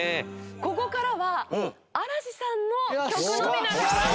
ここからは嵐さんの曲のみ流します！